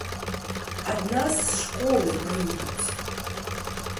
Ад нас з школы прыйдуць.